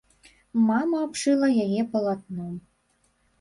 Мама абшыла яе палатном.